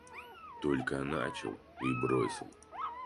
Только начал и бросил.